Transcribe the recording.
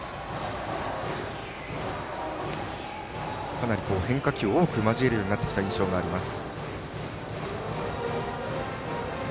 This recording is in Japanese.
かなり変化球を多く交えるようになってきた印象があります。